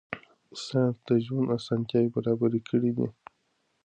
ساینس د ژوند اسانتیاوې برابرې کړې دي.